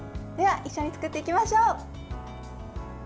では一緒に作っていきましょう。